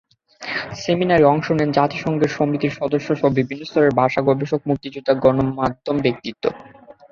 সেমিনারে অংশ নেন জাতিসংঘ সমিতির সদস্যসহ বিভিন্ন স্তরের ভাষা গবেষক, মুক্তিযোদ্ধা, গণমাধ্যম ব্যক্তিত্ব।